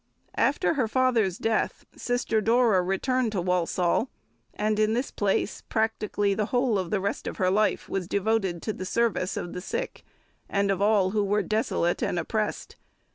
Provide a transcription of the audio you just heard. After her father's death, Sister Dora returned to Walsall, and in this place practically the whole of the rest of her life was devoted to the service of the sick and of all who were desolate and oppressed.